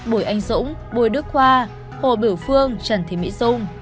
bùi anh dũng bùi đức khoa hồ biểu phương trần thị mỹ dung